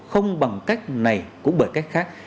không bằng cách này cũng bởi cách khác